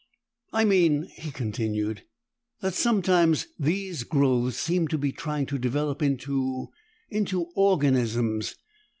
"I mean," he continued, "that sometimes these growths seem to be trying to develop into into organisms.